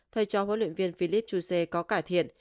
thay cho huấn luyện viên philip chuse có cải thiện